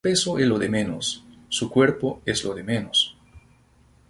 El peso es lo de menos, su cuerpo es lo de menos.